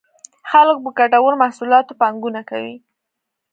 خلک په ګټورو محصولاتو پانګونه کوي.